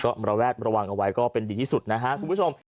ก็ระแวดระวังเอาไว้ก็เป็นดีที่สุดนะฮะคุณผู้ชม